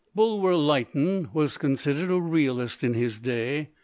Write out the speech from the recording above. "Bulwer Lytton was considered a realist in his day.